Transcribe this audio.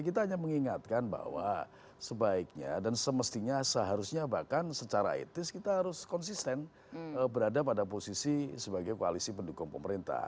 kita hanya mengingatkan bahwa sebaiknya dan semestinya seharusnya bahkan secara etis kita harus konsisten berada pada posisi sebagai koalisi pendukung pemerintah